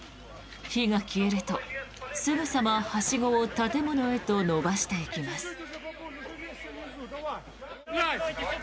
火が消えるとすぐさまはしごを建物へと伸ばしていきます。